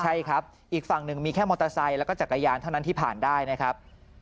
ใช่ครับอีกฝั่งหนึ่งมีแค่มอเตอร์ไซค์แล้วก็จักรยานเท่านั้นที่ผ่านได้นะครับ